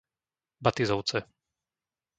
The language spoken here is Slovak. Batizovce